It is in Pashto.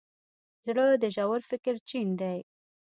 زړه د ژور فکر چین دی.